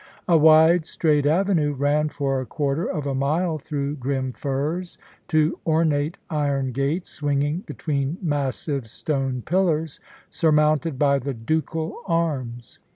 A wide, straight avenue ran for a quarter of a mile through grim firs to ornate iron gates swinging between massive stone pillars, surmounted by the ducal arms.